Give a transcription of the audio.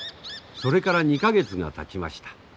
それから２か月がたちました。